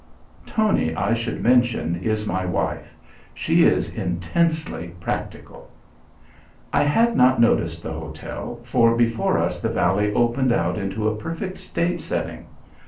Tony, I should mention, is my wife. She is intensely practical. I had not noticed the hotel, for before us the valley opened out into a perfect stage setting.